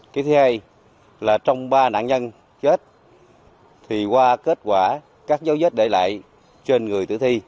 cái thứ hai là trong ba nạn nhân chết thì qua kết quả các dấu vết để lại trên người tử thi